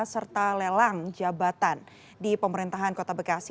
serta lelang jabatan di pemerintahan kota bekasi